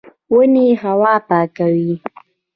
ونې هوا پاکوي